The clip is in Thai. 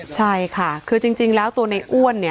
ใช่ค่ะคือจริงแล้วตัวในอ้วน